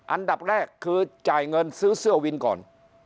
อันดับแรกคือจ่ายเงินซื้อเสื้อวินก่อน